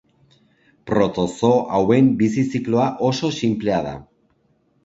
Protozoo hauen bizi-zikloa oso sinplea da.